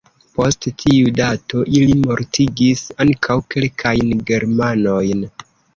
Post tiu dato, ili mortigis ankaŭ kelkajn germanojn.